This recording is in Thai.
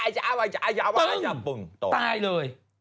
ตึงตายเลย